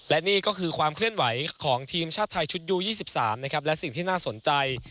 และนี่ก็คือความเคลื่อนไหวของทีมชาติไทยชุดยู๒๓นะครับและสิ่งที่น่าสนใจ